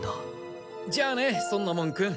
じゃあね尊奈門君。